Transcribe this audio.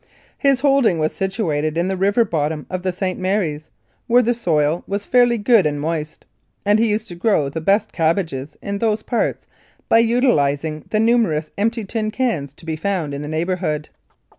His holding was situated in the river bottom of the St. Mary's, where the soil was fairly good and moist, and he used to grow the best cabbages in those parts by utilising the numerous empty tin cans to be found in the neighbourhood.